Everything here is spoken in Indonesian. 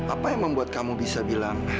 apa yang membuat kamu bisa bilang